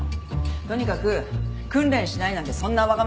とにかく訓練しないなんてそんなわがまま許せない。